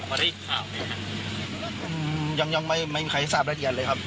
เมื่อได้รีบข่าวไหมฮะอืมยังยังไม่ไม่มีใครทราบรัสเอียดเลยครับ